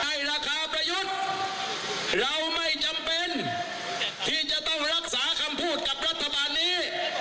ให้ราคาประยุทธ์เราไม่จำเป็นที่จะต้องรักษาคำพูดกับรัฐบาลนี้